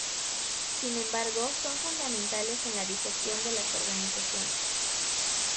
Sin embargo, son fundamentales en la gestión de las organizaciones.